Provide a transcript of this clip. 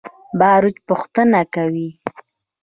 باروچ پوښتنه کوي.